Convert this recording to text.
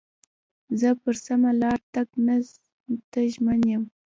زه پر سمه لار تګ ته ژمن یم.